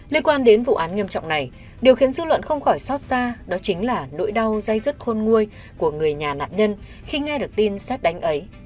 liên quan đến vụ án nghiêm trọng này điều khiến dư luận không khỏi xót xa đó chính là nỗi đau dây dứt khôn nguôi của người nhà nạn nhân khi nghe được tin xét đánh ấy